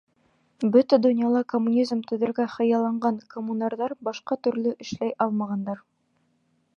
Бөтә донъяла коммунизм төҙөргә хыялланған коммунарҙар башҡа төрлө эшләй алмағандар.